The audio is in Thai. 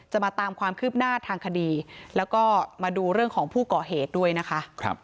มาตามความคืบหน้าทางคดีแล้วก็มาดูเรื่องของผู้ก่อเหตุด้วยนะคะ